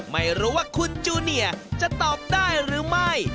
ไม่รู้ว่าคุณจูเนียร์จะตอบได้หรือไม่